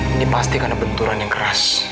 ini pasti karena benturan yang keras